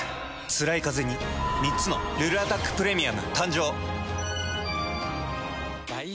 つらいカゼに３つの「ルルアタックプレミアム」誕生。